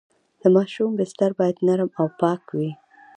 د ماشوم بستر باید نرم او پاک وي۔